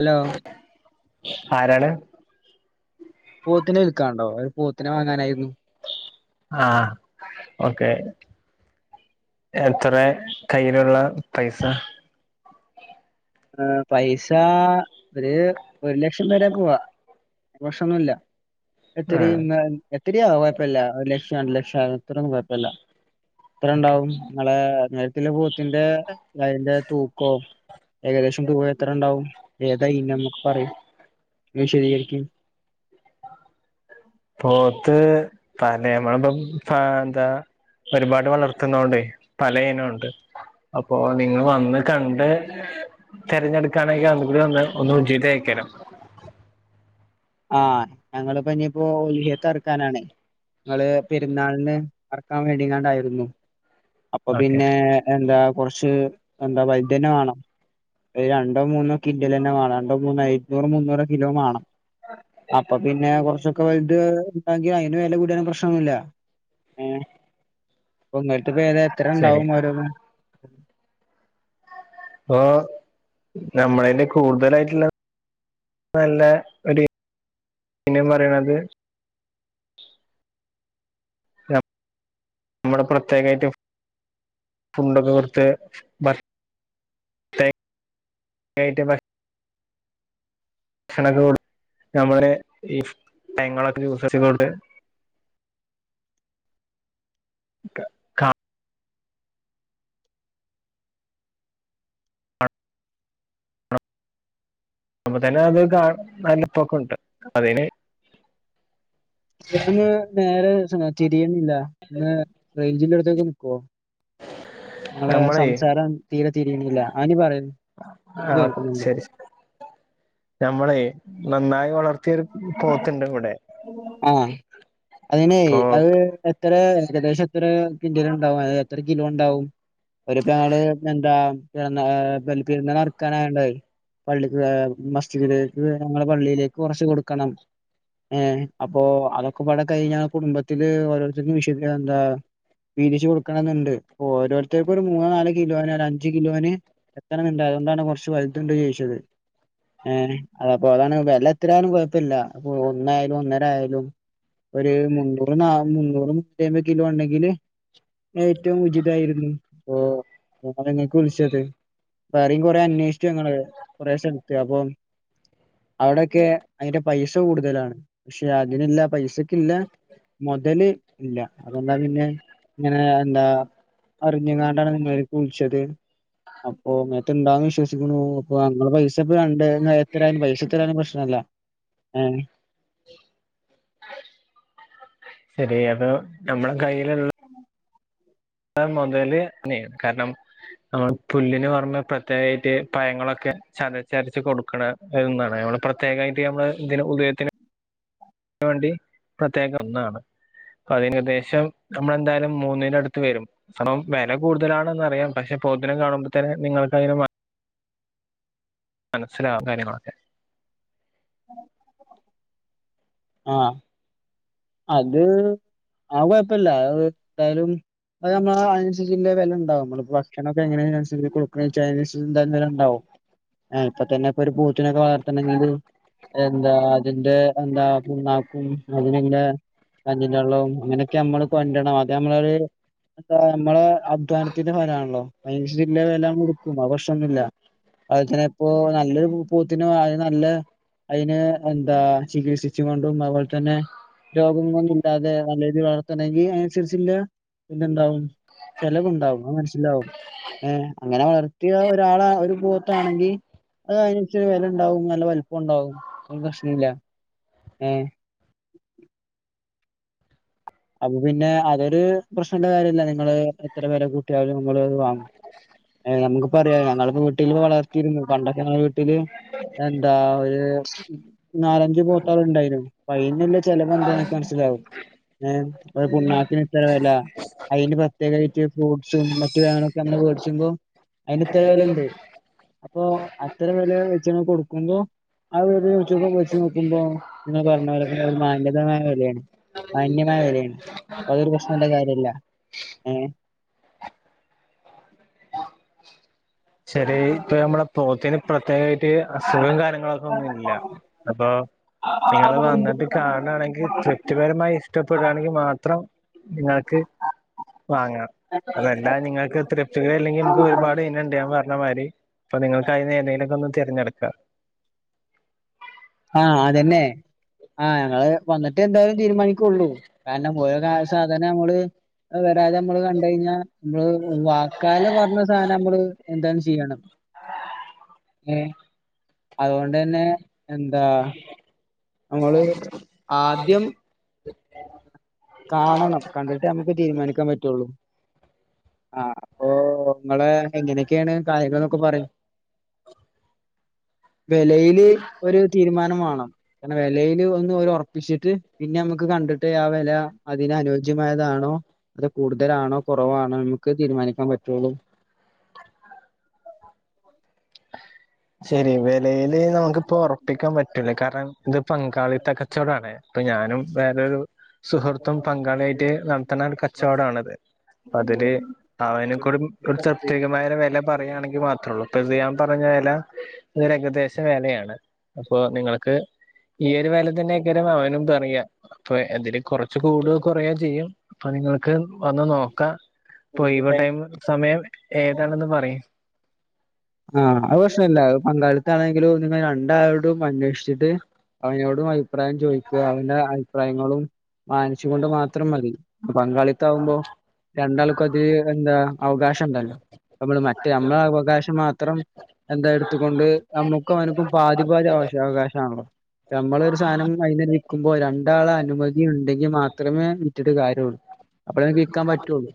Hello ആരാണ് പോത്തിനെ വിൽക്കാണ്ടോ ഒരു പോത്തിനെ വാങ്ങാനായിരുന്നു ആഹ ഓക്കെ എത്ര കയ്യിലുള്ള പൈസ ഏ പൈസ ഒരു ഒരു ലക്ഷം പേരെ പോവാ [unintelligible] ന്നുമല്ല ആഹ് എത്രയും നാൾ ഒത്തിരിയാ കുഴപ്പില്ല ഒരു ലക്ഷം രണ്ട് ലക്ഷം ആ ഇത്രൊന്നും കുഴപ്പില്ല ഇത്ര ഉണ്ടാവും ങ്ങളെ നേരത്തില് പൂത്തിന്റെ അതിന്റെ തൂക്കവും ഏകദേശം തുക എത്രണ്ടാവും ഏ അതായി നമക്ക് പറയും വിശദീകരിക്കും പോത്ത് പല നമ്മളിപ്പം എന്താ പരിപാട് വളർത്തുന്നോണ്ടേ പല ഇനം ഉണ്ട് അപ്പൊ നിങ്ങൾ വന്ന് കണ്ട് തിരഞ്ഞെടുക്കണെങ്കിൽ ഒന്ന് ഒന്ന് ഉചിതയക്കലം ആഹ് ഞങ്ങളിപ്പോ ഇനിയിപ്പോ ഒള് ഹിയത്ത് അറക്കാനാണേ ഞങ്ങള് പെരുന്നാളിന് അറക്കാൻ വേണ്ടിക്കാണ്ടായിരുന്നു അപ്പൊ ഓക്കെ പിന്നെ എന്താ കുറച്ച് എന്താ വൈദ്യന്നം വേണം രണ്ടോ മൂന്നോ കിന്റൽ തന്നെ വേണം രണ്ടോ മൂന്നോ ഇരുന്നൂറ് മുന്നൂറോ കിലോ മാണം അപ്പൊ പിന്നെ കുറച്ചൊക്കെ വലുത് ഉണ്ടാങ്കിൽ അയ്ന് വില കൂടിയാൽ പ്രശ്നന്നുല്ല ഏ ഇപ്പോ ഏതാ എത്ര ശരി ഉണ്ടാവുംഓരോന്ന് ഇപ്പോ നമ്മളിനെ കൂടുതലായിട്ടുള്ള നല്ല ഒരുന പറയണുന്നത് നമ്മള് പ്രത്യേകമായിട്ട് ഫുഡൊക്കെ കൊടുത്ത് ഭക്ഷണൊക്കെ നമ്മള് ഈ ഫൂ - [unintelligible] അപ്പ തന്നെ അത് കാ നല്ലപ്പൊക്കെണ്ട് അതിന് ന്ന് നേരെ തിരിയുന്നില്ല ത നിക്കോ [unintelligible] നിങ്ങളെ നമ്മളെ സംസാരം ആഹ് ശരി പോത്ത്ഇണ്ട് കൂടെ ആഹ അതിനെ അത് എത്ര ഏകദേശം എത്ര എത്ര കിൻറ്റിൽഉണ്ടാവും ആ എത്ര കിലോ ഉണ്ടാവും ഒരു കുറച്ച് കൊടുക്കണം ഏ അപ്പോ അതൊക്കെപ്പാട് കഴിഞ്ഞാൽ കുടുംബത്തില് ഓരോരുത്തർക്കും വീക്ഷിക്കുന്ന എന്താ വീതിച്ച് കൊടുക്കണം എന്നുണ്ട് ഓരോരുത്തർക്കും ഒരു മൂന്നോ നാല് കിലോന് അഞ്ച് കിലോന് എത്രാലും കുഴപ്പമില്ല അപ്പൊ ഒന്നായാലും ഒന്നര ആയാലും ഒരു മുന്നൂറ് നന്നൂറ് മൂന്നുറ്റിമ്പത് കിലോ ണ്ടെങ്കില് ഏറ്റവും ഉചിതായിരുന്നു ഓ അങ്ങനെ ഇങ്ങൾക്ക് വിള്ച്ചത് വേറെയും കുറേ അന്വേഷിച്ചു ഞങ്ങള് കൊറേശെ ഇടുത്തപ്പോൾ അവിടെ ക്കെ അതിന്റെ പൈസ കൂടുതലാണ് പക്ഷെ അതിനെല്ല പൈസ ക്കില്ല മൊതല് ഇല്ല അതെന്താ പിന്നെ ഇങ്ങനെ എന്താ അറിഞ്ഞക്കണ്ട ഇങ്ങൾക്ക് വിളിച്ചത് അപ്പൊ ഇങ്ങട് വിശ്വസിക്കുന്നു അപ്പൊ ഞങ്ങളെ പൈസ ഇപ്പൊ രണ്ട് എത്ര പൈസ ഇപ്പൊ പ്രശ്നം [unintelligible] ഇത് എതോ നമ്മളെ കയ്യില് [unintelligible] മൊതല് തന്നെയാണ് കാരണം നമ്മൾ പുല്ലിനു പൊറമേ പ്രത്യേകമായിട്ട് പഴങ്ങളൊക്കെ ചതച്ചരച്ച് അ വേണ്ടി പ്രത്യേക ഒന്നാണ് അപ്പൊ അതിനുദ്ദേശിച്ച് അപ്പം വില കൂടുതലാണെന്ന് അറിയാം പക്ഷെ പോ ത്തിനെ കാണുമ്പോത്തന്നെ നിങ്ങൾക്ക് അതിന [unintelligible] [unintelligible] ആഹ അത് ആ കൊഴപ്പല് എന്തായാലും അ നമ്മള് അനുസരിച്ച് വില ഉണ്ടാവും നമ്മൾ ഭാഷണമൊക്ക ത്ത്നൊക്കെ വളർത്തണെങ്കിൽ എന്താ അതിന്റെ എന്താ പ്ണ്ണാക്കും അതിനെങ്ങനെ കഞ്ഞിന്റള്ളം അങ്ങനെയൊക്കെ നമ്മള് കൊണ്ടണം അത് നമ്മളരു എന്താ നമ്മളെ അധ്വാനത്തിന്റെ ഫലമാണല്ലോ അതിനന്സരിച്ച്ള്ള വെല അമ്മൾ ഉടുക്കും അത് പ്രേശ്നഒന്നുല്ല അതുപലെ തന്നെ ഇപ്പോ നല്ലൊരു പോത്തിന് അ നല്ല അതിന് എന്താ ചികിത്സിച്ചു കൊണ്ടും അതുപോലെ തന്നെ രോഗങ്ങളോന്നുല്ലാതെ നല്ലരീതി വളർത്തണമെങ്കിൽ അയ്നന്സരിച്ചുള്ള ഇത്ണ്ടാവും ചെലവ്ണ്ടാവും അത് മനസ്സലാവും ഏ അങ്ങനെ വളർത്തിയ ഒരാളാ ഒരു പോത്താണെങ്കി അത് അയ് വില ഉണ്ടാവും നല്ല വലിപ്പം ഉണ്ടാവും അ പ്രശ്നല്ല ഏ അപ്പൊ പിന്നെ അതൊരു പ്രശ്നന്റെ കാര്യല്ല നിങ്ങള് എത്ര പേരെ കൂട്ടിയാലും നമ്മളത് വാങ്ങും ഏ നമുക്ക് പറയാ ഞങ്ങ വീട്ടില് വളർത്തിരുന്നു പണ്ടൊക്കെ ഞങ്ങള വീട്ടില് എന്താ ഒരു നാലഞ്ചു പോത്താൾ ഉണ്ടായിന്നു പൈന്ല്ല ചിലവന്താ എനിക്ക് മനസ്സിലാവും ഏ ഒരു പുണ്ണാക്കിന് ഇത്ര വില അതയിന് പ്രത്യേകമായിട്ട് ഫ്രൂട്സും മറ്റു സാധങ്ങളൊക്കെ നമ്മള് മേടിച്ചുമ്പോൾ അതിന് ഇത്ര വിലുണ്ട് അപ്പൊ അത്തര വില വെച്ച കൊടുക്കുമ്പോ ആ വിലക് വെച്ച് നോക്കുമ്പോ നിങ്ങൾ പറഞ്ഞ വിലക്കുമ്പൊ ഒരു മാന്യതമായ വിലയാണ് അാന്യമായ വിലയാണ് അപ്പതൊരു പ്രശ്നല്ല കാര്യല്ല ഏ ശരി ഇപ്പൊ നമ്മള പോത്തിന് പ്രത്യേകമായിട്ട് അസുഖം കാര്യങ്ങളൊക്കെ ഒന്നും ഇല്ല അപ്പൊ നിങ്ങൾ വന്നിട്ട് കാണയാണെങ്കിൽ തൃപ്തിപരമായി ഇഷ്ടപ്പെടവാണെങ്കിൽ മാത്രം നിങ്ങൾക്ക് വാങ്ങാം അതല്ല നിങ്ങൾക്ക് തൃപ്തികര അല്ലെങ്കിൽ നമുക്ക് ഒരുപാട് ഇനം ഇണ്ട് പറ അതേമാരി അപ്പൊ നിങ്ങൾക്ക് അതി ഏന്തെങ്കിലുമൊക്കെ ഒന്ന് തിരഞ്ഞെടുക്കാം ആ അതെന്നെ ആഹ് ഞങ്ങള് വന്നിട്ട് ട്ട് എന്ത തീരുമാനിക്കുള്ളൂ കാരണം പോയ കാല സാധാനമ്മള് അതെ അതായതെ നമ്മള് കണ്ട് കഴിഞ്ഞാൽ നമ്മള് വാക്കാല പറഞ്ഞ സാധനം നമ്മള് എന്താ ചെയ്യണം ഏ അതുകൊണ്ട് തന്നെ എന്താ നമ്മള് ആദ്യം കാണണം കണ്ടിട്ടേ നമുക്ക് തീരുമാനിക്കാൻ പറ്റുള്ളൂ ആ അപ്പൊ നിങ്ങെ എങ്ങനെയൊക്കെയാണ് കാര്യങ്ങളൾ എന്നൊക്കെ പറയും വിലയില് ഒരു തീരുമാനം വേണം വിലയിൽ ഒന്ന് ഉറപ്പിച്ചിട്ട് പിന്നെ നമുക്ക് കണ്ടിട്ട് ആ വില അതിനന് അനുയോജ്യമായതാണോ അത് കൂടുതലാണോ കുറവാണോ നമുക്ക് തീരുമാനിക്കാൻ പറ്റുള്ളൂ ശരി വിലയില് നമുക്കിപ്പോ ഉറപ്പിക്കാൻ പറ്റൂല കാരണം ഇത് പങ്കാളിത്ത കച്ചവടാണ് അപ്പൊ ഞാനും വേറരു സുഹൃത്തും പങ്കാളിയായിട്ട് നടത്തുന്ന ഒരു കച്ചവടമാണത് അതില് അവനും കൂടി ഒരു തൃപ്തികമായ വില പറയുകയാണെങ്കിൽ മാത്രേള്ളൂ ഇപ്പസയാം വല ഇത് ഒരു ഏകദേശ വെലയാണ് അപ്പോ നിങ്ങൾക്ക് ഈ ഒരു വല തന്നെ രാണ് അവനും പറയാ അപ്പൊ അതില് കൊറ പക്ഷെ കൂടുക കുറയാ ചെയ്യും പതിങ്ങള് ക്ക് വന്ന് നോക്കാം ഇപ്പൊ ഇവടേം സമയം ഏതാണെന്ന് പറയു ആ അത് പ്രശ്ണല്ല പങ്കാളത്താണെങ്കിലും രണ്ടാളോടും അന്വേഷിച്ചിട്ട് അവനോടും അഭി പ്രായം ചോദിക്കുക അവന്റെ അ അഭിപ്രയങ്ങളും മാനിച്ചു കൊണ്ട് മാത്രം മതി ബംഗാളിത്ത ആകുമ്പോ രണ്ടാൾ ക്കതി എന്ത അവകാശം ഇണ്ടല്ലോ നമ്മള് മറ്റേ നമ്മളെ അവകാശ മാ അത്രം എന്താ എടുത്തുകൊണ്ട് നമ്മുക്കും അവനക്കും പാതിപാതി അവ അവകാശ ആണല്ലോ നമ്മളൊ ഒരു സാധനം അയ്ൻ നിക്കുമ്പോ രണ്ടാള് അനുമതി ഉണ്ടെങ്കിൽ മാത്രമേ വിട്ടിട്ട് കാര്യള്ളൂ അപ്പോ വിക്കാൻ പറ്റുള്ളു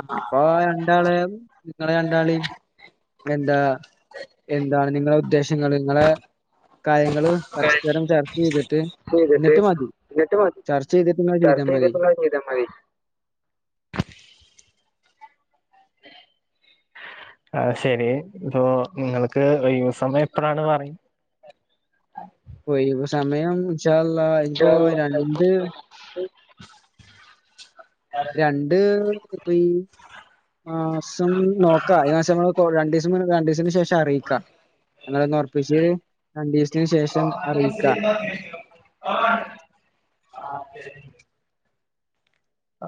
ആഹ് അപ്പൊ ആ രണ്ടാളെ നിങ്ങളെ രണ്ടാളും എന്താ എന്താണ് നിങ്ങളെ ഉദ്ദേശങ്ങൾ നിങ്ങളെ കാര്യങ്ങള്ൾ പരസ്പരം ചർച്ച ചെയ് ചെയ്തിട്ട് എന്നിട്ട് മതി ചർച്ച ചെയ്തിട്ട് നിങ്ങൾ ചെയ്താൽ മതി. ചർചെയ്തിട്ട് ങ്ങള് ചെയ്ത മതി അഹ് ശെരി ഇപ്പൊ നിങ്ങൾക്ക് ഒയ്‌വ് സമയം എപ്പറാണ് പറയും ഒഴിവ് സമയം ഇൻചാ അള്ളാ ഇനിപ്പോ രണ്ട് രണ്ട് ഇപ്പൊ ഈ മാസം നോക്ക ഈ മാസം മ്മള് രണ്ടിസം രണ്ടിസം ശേഷം ട്ട് അറിയിക്കാ എ [unintelligible] ഒറപ്പിച്ച് രണ്ടിസ്ത്തിന് ശേഷം അറിയിക്ക [unintelligible]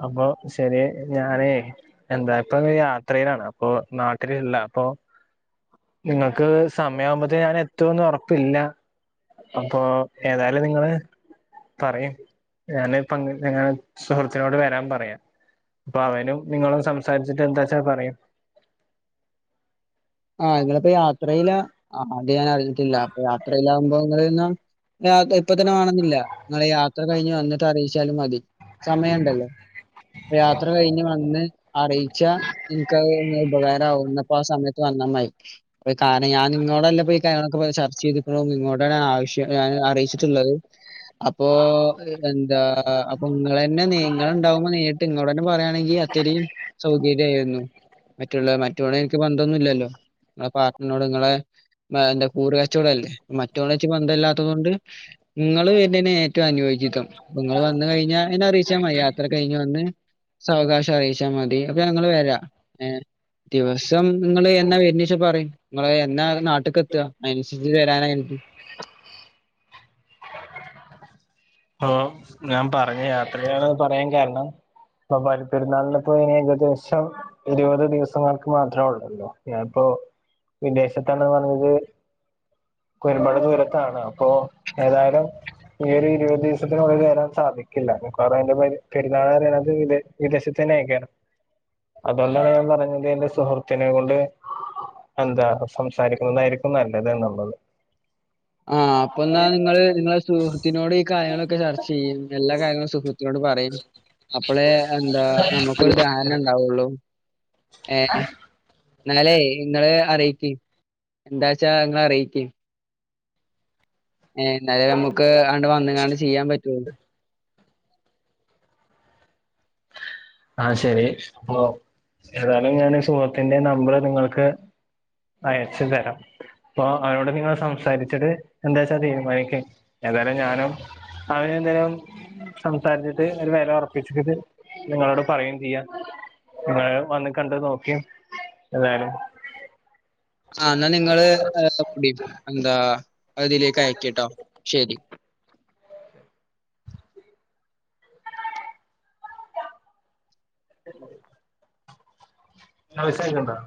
അപ്പൊ ശരി ഞാനേ എന്താ ഇപ്പൊ യാത്രയിലാണ് അപ്പൊ നാട്ടിലിള്ള അപ്പൊ നിങ്ങൾക്ക് സമയമ്പ അത് ഞാൻ എത്തുന്ന് ഉറപ്പില്ല അപ്പൊ ഏതാലും നിങ്ങള് പറയും ഞാന് [unintelligible] സുഹൃ ച്ഛനോട് വരാൻ പറയാം അപ്പൊ അവനും നിങ്ങളും സംസാരിച്ചിട്ട് എന്താച്ചാ പറയം ആ്ഹ് നിങ്ങളപ്പോ യാത്രയില ആഹ് അത് ഞാൻ അറിഞ്ഞിട്ടില്ല അപ്പൊ യാത്രയിലമ്പോ നിങ്ങളിന്ന [unintelligible] ഇപ്പ തന്നെ വേണന്നില്ല നിങ്ങളെ യാത്ര കഴിഞ്ഞ് വന്നിട്ട് അറിച്ചാലും മതി സമയണ്ടല്ലോ യാത്ര കഴിഞ്ഞ് വന്ന് അറിയിച്ചാ നിനക്ക്ത് ഉപകാരമാവുന്ന പ സമയ ന്ന മൈക്ക് കാരണം ഞാൻ നിങ്ങളോല്ലപ്പ ഇ കാര്യങ്ങളൊകെ ച ചെയ്തിക്ക്ണു ഇങ്ങോട്ടാണ് ആവശ്യം ഞാൻ അറിയിച്ചിട്ട്ള്ളത് അപ്പൊ എന്താ അപ്പൊ ങ്ങളെന്നെ നീങ്ങള് ഉണ്ടാവുമ്പോ നീട്ട് ഇങ്ങളോടെ പറയയാണെങ്കി അത്രീം സൗകര്യായിരുന്നു മറ്റുള്ള മറ്റ് എനിക്ക് ന്തന്നുല്ലല്ലോ എന്നോട് ങ്ങളെ മ്മാൻറ കൂറുകച്ചോടം അല്ലേ മ റ്റളച്ച് ബന്ധം ഇല്ലാത്തത് കൊണ്ട് നിങ്ങള് എന്നേന് ഏറ്റവും അനുയോജിതം നിങ്ങള് വന്ന് കഴിഞ്ഞാ എന്നെ അറിയിച്ചാ മയി യാത്ര കഴിഞ്ഞ് വന്ന് സാവകാശം അറിയിച്ചാൽ മതി അപ്പം ഞങ്ങള് വരാ ഏ ദിവസം നിങ്ങള് എന്നാ വരുന്നേച്ചാ പറയ് നിങ്ങള് എന്നാ നാട്ട്ക്ക് എത്ത അതിനനുസരിച്ച് വെരാനാ യെനിക്ക് ഓ ഞാൻ പറഞ്ഞ യാത്ര ചെയണമെന്ന് പറയാൻ കാരണം വവ്വാല് നല്ല പോയിനേകദേശം ഇരുപത് ദിവസങ്ങൾക്ക് മാത്രേ ഉള്ളല്ലോ ഞാനിപ്പോ വിദേശത്താണെന്ന് പറഞ്ഞത് ഒരുപാട് ദൂരത്താണ് അപ്പോ ഏതായാലും ഈ ഒരു ഇരുപത് ദിവസത്തിനുള്ളിൽ വരാൻ സാധിക്കില്ല ബുക്കാറായേൻറ പേരിൽ പെരുന്നാള് അറിയനത് വി വിദേശത്തന്നെ അയക്കണം അതുകൊണ്ടാണ് ഞാൻ പറഞ്ഞത് എൻറെ സുഹൃത്തിനെ കൊണ്ട് എന്താ സംസാരിക്കുന്നതായിരിക്കും നല്ലത് എന്ന്ള്ളത് ആഹ് അപ്പൊ എന്നാ നിങ്ങള് നിങ്ങളെ സുഹൃത്തിനോട് ഈ കാ കാര്യങ്ങളൊക്കെ ചർച്ച ചെയ്യും എല്ലാ കാര്യങ്ങളും സുഹൃത്തിനോട് പറ അപ്പളെ എന്താ നമുക്കൊരു ദാരണ ഉണ്ടാവുള്ളൂ ഏ എന്നാലെ ങ്ങള് അറിയിക്ക് എന്താച്ചാ നിങ്ങളറിയിക്ക് ഏ എന്നാലേ നമുക്ക് അണ്ട് വന്നങ്ങാണ്ട് ചെയ്യാൻ പറ്റുവോള്ളു ആയ് ശരി അപ്പൊ ഏതായാലും ഞാൻ സുഹൃത്തിന്റെ നമ്പര് നിങ്ങൾക്ക് അയച്ചു തരാം അപ്പൊ അവരോട് നിങ്ങൾ സംസാരിച്ചിട്ട് എന്താച്ചാ തീരുമാനിക്കും ഏതായാലും ഞാനും അവന് എന്തേലും സംസാരിച്ചിട്ട് ഒരു വെല ഉറപ്പിട്ട് അത് നിങ്ങളോട് പറയുകയും ചെയ്യാം നിങ്ങ വന്ന് കണ്ട് നോക്കിയ എതായാലും ആ എന്നാൽ നിങ്ങള് ഒപ്പിടിപ്പിക്ക് എന്താ അതിലേക്ക് അയക്ക്ട്ടോ ശരി ങ്ങള് വിസായിക്കണ്ടാ